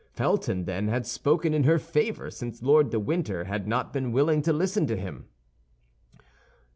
Felton, then, had spoken in her favor, since Lord de Winter had not been willing to listen to him.